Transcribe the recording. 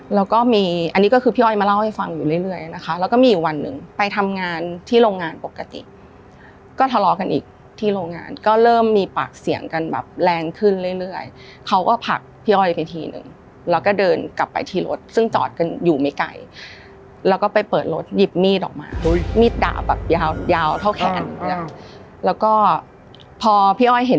แล้วก็มีอันนี้ก็คือพี่อ้อยมาเล่าให้ฟังอยู่เรื่อยนะคะแล้วก็มีอีกวันหนึ่งไปทำงานที่โรงงานปกติก็ทะเลาะกันอีกที่โรงงานก็เริ่มมีปากเสียงกันแบบแรงขึ้นเรื่อยเขาก็ผลักพี่อ้อยไปทีนึงแล้วก็เดินกลับไปที่รถซึ่งจอดกันอยู่ไม่ไกลแล้วก็ไปเปิดรถหยิบมีดออกมามีดดาบแบบยาวยาวเท่าแขนแล้วก็พอพี่อ้อยเห็น